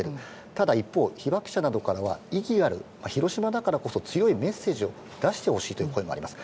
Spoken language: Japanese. ただ、一方、被爆者からは広島だからこそ強いメッセージを出してほしいという声もあります。